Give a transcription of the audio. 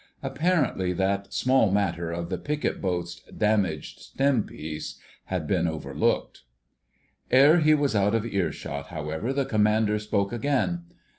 Apparently that small matter of the picket boat's damaged stem piece had been overlooked. Ere he was out of earshot, however, the Commander spoke again.